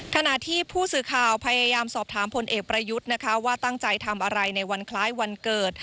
ขณะที่ผู้สื่อข่าวพยายามสอบถามพลเอกประยุทธ์นะคะว่าตั้งใจทำอะไรในวันคล้ายวันเกิด